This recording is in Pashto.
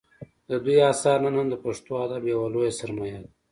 د دوی اثار نن هم د پښتو ادب یوه لویه سرمایه ده